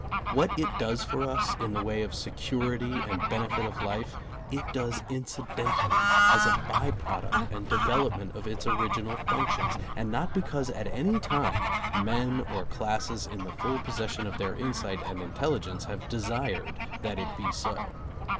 What it does for us in the way of security and benefit of life, it does incidentally as a by product and development of its original functions, and not because at any time men or classes in the full possession of their insight and intelligence have desired that it be so.